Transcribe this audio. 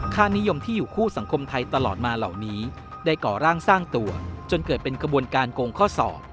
ค่านิยมที่อยู่คู่สังคมไทยตลอดมาเหล่านี้ได้ก่อร่างสร้างตัวจนเกิดเป็นกระบวนการโกงข้อสอบ